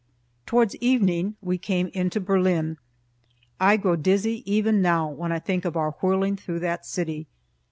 Towards evening we came into Berlin. I grow dizzy even now when I think of our whirling through that city.